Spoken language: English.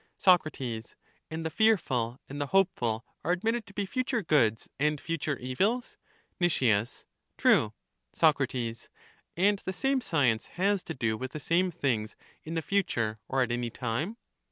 Soc, And the fearful, and the hopeful, are ad mitted to be future goods and future evils ? Nic. True. Soc, And the same science has to do with the same things in the future or at any time?